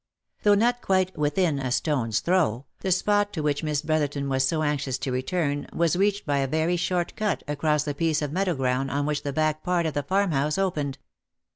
Though not quite within a stones throw, the spot to which Miss Brotherton was so anxious to return, was reached by a very short cut across the piece of meadow ground on which the back part of the farm house opened.